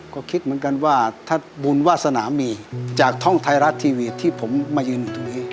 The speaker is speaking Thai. ก็คิดเหมือนกันว่าถ้าบุญวาสนามีจากท่องไทยรัฐทีวีที่ผมมายืนอยู่ตรงนี้